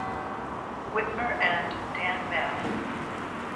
Whitmer and Dan Maff.